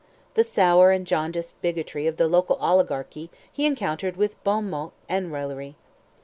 The sour and jaundiced bigotry of the local oligarchy he encountered with bon mots and raillery.